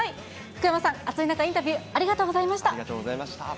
福山さん、暑い中、インタビュー、ありがとうございました。